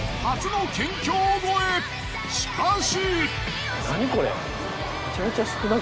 しかし。